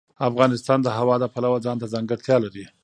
افغانستان د هوا د پلوه ځانته ځانګړتیا لري.